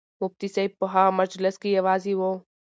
مفتي صاحب په هغه مجلس کې یوازې و.